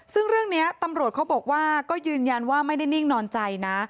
ซึ่งเรื่องนี้ตำรวจเขาบอกว่าก็ยืนยันว่าไม่ได้นิ่งนอนใจนะ